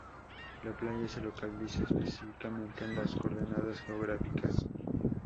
La playa se localiza específicamente en las coordenadas geográficas